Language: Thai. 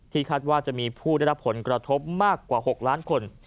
คาดว่าจะมีผู้ได้รับผลกระทบมากกว่า๖ล้านคน